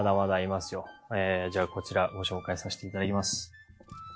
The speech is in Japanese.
じゃあこちらご紹介させていただきます。